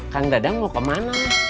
kang dadang mau kemana